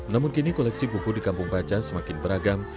namun kini koleksi buku di kampung baca semakin beragam